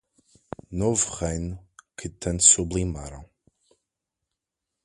Novo reino, que tanto sublimaram.